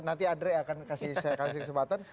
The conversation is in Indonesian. nanti andre akan saya kasih kesempatan